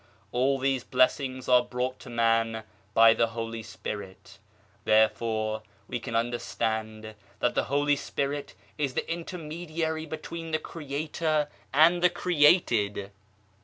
All these Blessings are brought to Man by the Holy Spirit ; therefore we can understand that the Holy Spirit is the Intermediary between the Creator and the Created.